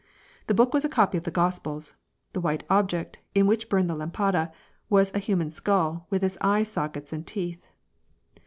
The book was a copy of the Gospels ; the white object, in which hnmed the lampada, was a human skull, with its eye sockets and teeth.